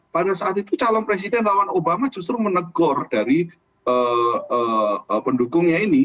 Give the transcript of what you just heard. pada saat itu calon presiden lawan obama justru menegur dari pendukungnya ini